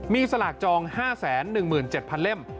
มีสลากจอง๕๑๗๐๐เล่ม